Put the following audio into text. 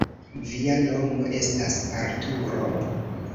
Via nomo estas Arturo?